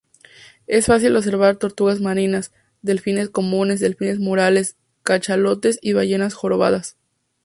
Es fácil observar tortugas marinas, delfines comunes, delfines mulares, cachalotes y ballenas jorobadas.